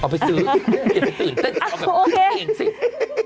ไปช่วงหน้าสักครู่เดี๋ยวครับ